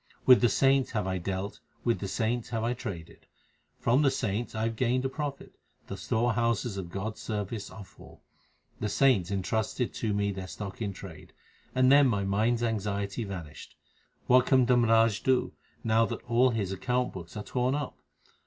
With the saints have I dealt, with the saints have I traded. From the saints have I gained a profit the storehouses of God s service are full. The saints entrusted to me their stock in trade, and then my mind s anxiety vanished. What can Dharmraj do, now that all his account books are torn up